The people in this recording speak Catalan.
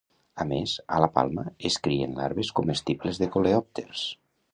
A més, a la palma es crien larves comestibles de coleòpters.